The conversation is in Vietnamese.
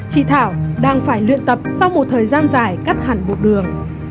chị thảo đang phải luyện tập sau một thời gian dài cắt hẳn bột đường